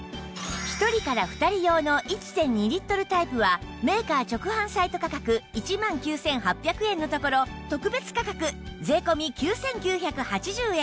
１人から２人用の １．２ リットルタイプはメーカー直販サイト価格１万９８００円のところ特別価格税込９９８０円